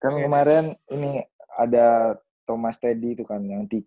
kan kemarin ini ada thomas teddy itu kan yang